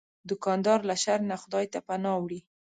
دوکاندار له شر نه خدای ته پناه وړي.